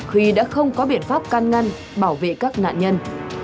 huy đã không có biện pháp can ngăn bảo vệ các nạn nhân